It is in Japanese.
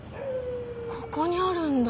ここにあるんだ。